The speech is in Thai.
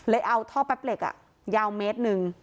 เลยเอาท่อแป๊บเหล็กอ่ะยาวเมตรนึง